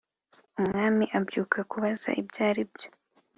umwami abyuka kubaza ibyaribyo